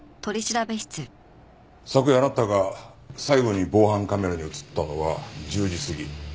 昨夜あなたが最後に防犯カメラに映ったのは１０時過ぎ。